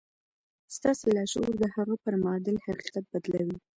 ستاسې لاشعور د هغه پر معادل حقيقت بدلوي.